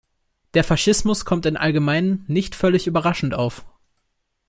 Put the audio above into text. Der Faschismus kommt im allgemeinen nicht völlig überraschend auf.